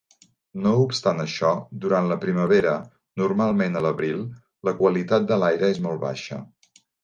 No obstant això, durant la primavera, normalment a l'abril, la qualitat de l'aire és molt baixa.